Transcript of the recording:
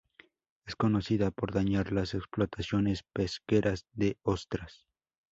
Es conocida por dañar las explotaciones pesqueras de ostras.